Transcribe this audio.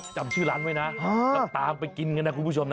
จำชื่อร้านไว้นะแล้วตามไปกินกันนะคุณผู้ชมนะ